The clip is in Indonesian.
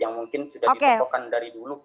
yang mungkin sudah ditokohkan dari dulu